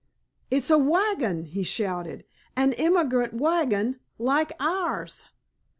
"It's a wagon," he shouted,—"an emigrant wagon—like ours!"